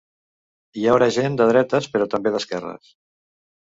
Hi haurà gent de dretes, però també d’esquerres.